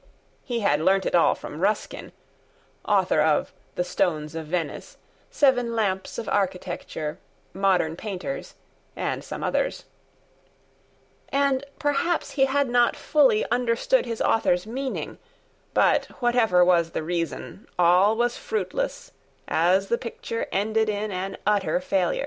He had learnt it all from Ruskin (Author of 'The Stones of Venice,' 'Seven Lamps of Architecture,' 'Modern Painters,' and some others); And perhaps he had not fully Understood his author's meaning; But, whatever was the reason, All was fruitless, as the picture Ended in an utter failure.